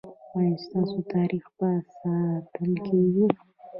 ایا ستاسو تاریخ به ساتل کیږي؟